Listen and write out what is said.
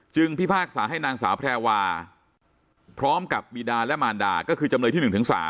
พิพากษาให้นางสาวแพรวาพร้อมกับบีดาและมารดาก็คือจำเลยที่๑๓